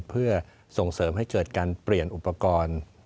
เพื่อส่งเสริมให้เกิดการเปลี่ยนอุปกรณ์